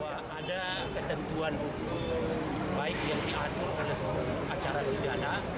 bahwa ada ketentuan hukum baik yang diatur oleh acara pidana